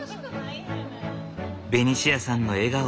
ベニシアさんの笑顔は最強。